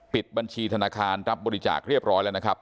ปิดบัญชีธนาคารรับบริจาคเรียบร้อยแล้วนะครับ